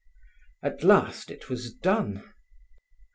At last it was done.